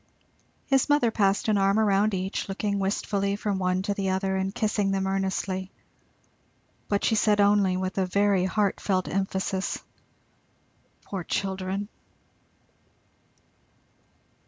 His mother passed an arm round each, looking wistfully from one to the other and kissing them earnestly, but she said only, with a very heart felt emphasis, "Poor children!"